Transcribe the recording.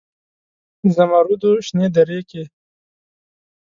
زمرودو شنې درې کې